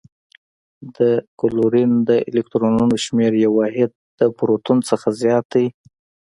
د کلورین د الکترونونو شمیر یو واحد د پروتون څخه زیات دی.